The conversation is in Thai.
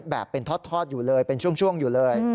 แบบเป็นทอดอยู่เลยเป็นช่วงอยู่เลย